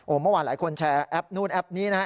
เมื่อวานหลายคนแชร์แอปนู่นแอปนี้นะฮะ